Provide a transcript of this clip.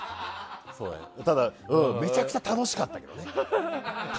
ただめちゃくちゃ楽しかったね。